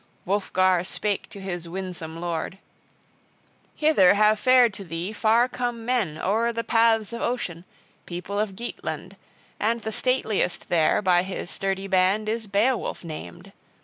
Wulfgar spake to his winsome lord: "Hither have fared to thee far come men o'er the paths of ocean, people of Geatland; and the stateliest there by his sturdy band is Beowulf named.